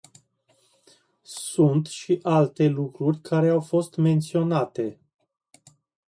Sunt și alte lucruri care au fost menționate.